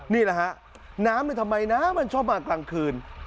นี่แหละฮะน้ำทำไมน้ำมันชอบมากลางคืน